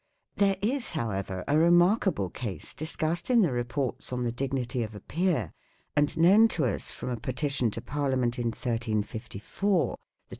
There is, however, a remarkable case discussed in the " Reports on the Dignity of a Peer," and known to us from a petition to Parliament in 1354 (28 Edw.